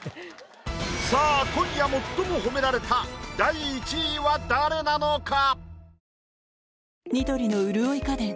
さあ今夜最も褒められた第１位は誰なのか？